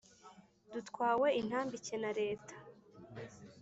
Dutwawe intambike na leta